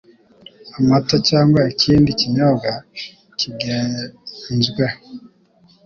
amata cyangwa ikindi kinyobwa kigenzweho